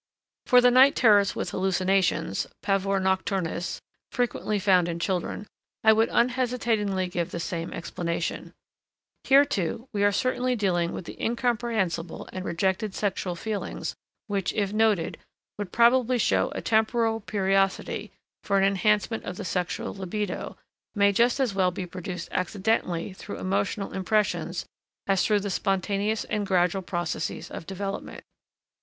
For the night terrors with hallucinations (pavor nocturnus) frequently found in children, I would unhesitatingly give the same explanation. Here, too, we are certainly dealing with the incomprehensible and rejected sexual feelings, which, if noted, would probably show a temporal periodicity, for an enhancement of the sexual libido may just as well be produced accidentally through emotional impressions as through the spontaneous and gradual processes of development.